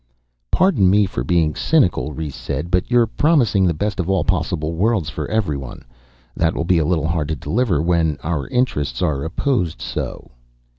"Pardon me for being cynical," Rhes said, "but you're promising the best of all possible worlds for everyone. That will be a little hard to deliver when our interests are opposed so."